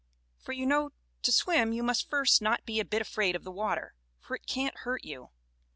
For you know to swim you must first not be a bit afraid of the water, for it can't hurt you.